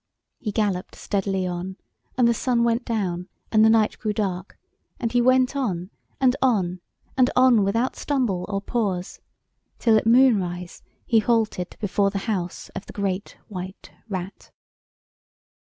He galloped steadily on, and the sun went down and the night grew dark, and he went on, and on, and on without stumble or pause, till at moonrise he halted before the house of the Great White Rat.